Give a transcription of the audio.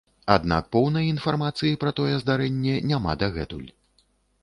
Аднак поўнай інфармацыі пра тое здарэнне няма дагэтуль.